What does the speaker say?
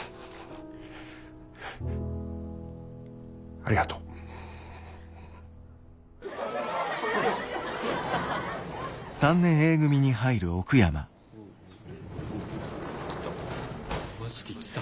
ありがとう。来た。